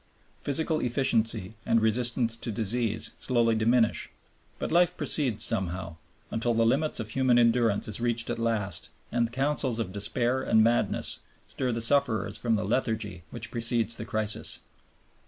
Physical efficiency and resistance to disease slowly diminish, but life proceeds somehow, until the limit of human endurance is reached at last and counsels of despair and madness stir the sufferers from the lethargy which precedes the crisis.